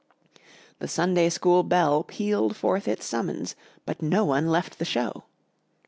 The Sunday School bell pealed forth its summons, but no one left the show.